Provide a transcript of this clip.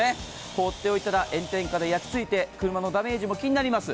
放っておいたら炎天下で焼きついて車のダメージも気になります。